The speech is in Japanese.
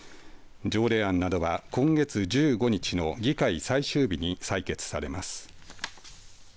条例案などは今月１５日の議会最終日に採決されます。